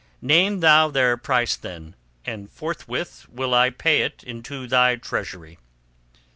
"Name thou their price then, and forthwith will I pay it into thy treasury."